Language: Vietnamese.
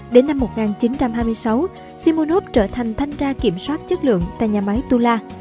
đến năm một nghìn chín trăm hai mươi sáu simonov trở thành thanh tra kiểm soát chất lượng tại nhà máy tula